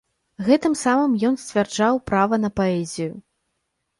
Гэтым самым ён сцвярджаў права на паэзію.